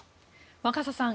若狭さん